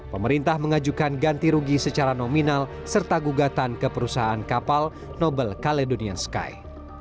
pemerintah mengajukan ganti rugi secara nominal serta gugatan ke perusahaan kapal nobel caledonian sky